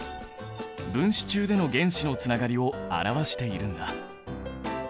分子中での原子のつながりを表しているんだ。